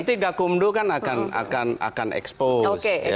nanti kak umdo akan expose